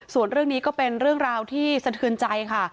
ส่วนเรื่องนี้ก็เป็นเรื่องราวที่สะเทือนใจค่ะ